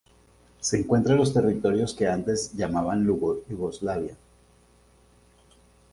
Se encuentra en los territorios que antes se llamaban Yugoslavia.